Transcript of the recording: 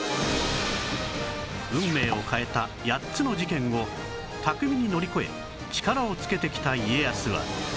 運命を変えた８つの事件を巧みに乗り越え力をつけてきた家康は